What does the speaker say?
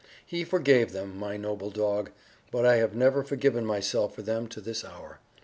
He forgave them, my noble dog; but I have never forgiven myself for them to this hour.